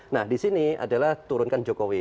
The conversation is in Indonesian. nah di sini adalah turunkan jokowi